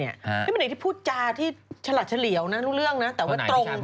นี่เป็นเด็กที่พูดจาที่ฉลัดเฉลี่ยวนะรู้เรื่องนะแต่ว่าตรง